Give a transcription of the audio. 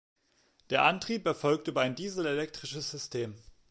Der Antrieb erfolgt über ein dieselelektrisches System.